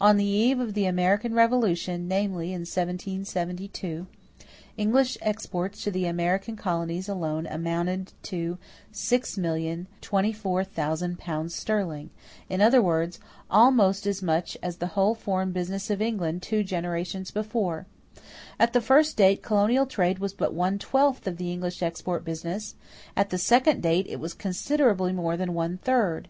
On the eve of the American Revolution, namely, in 1772, English exports to the American colonies alone amounted to £6,024,000; in other words, almost as much as the whole foreign business of England two generations before. At the first date, colonial trade was but one twelfth of the English export business; at the second date, it was considerably more than one third.